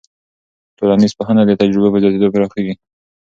ټولنیز پوهه د تجربو په زیاتېدو پراخېږي.